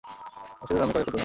মসজিদের নামে কয়েক একর জমি আছে।